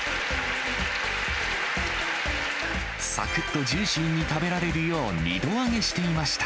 さくっとジューシーに食べられるよう、二度揚げしていました。